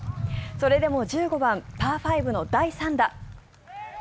それでも１５番パー５の第３打。